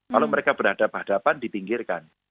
kalau mereka berhadapan hadapan dipinggirkan